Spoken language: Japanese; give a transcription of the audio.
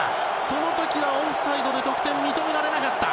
その時はオフサイドで得点が認められなかった。